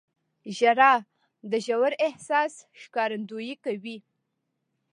• ژړا د ژور احساس ښکارندویي کوي.